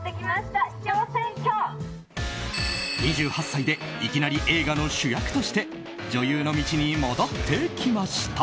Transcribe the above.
２８歳でいきなり映画の主役として女優の道に戻ってきました。